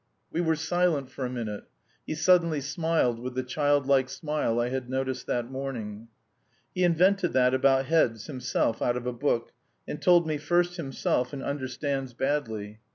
We were silent for a minute. He suddenly smiled with the childlike smile I had noticed that morning. "He invented that about heads himself out of a book, and told me first himself, and understands badly.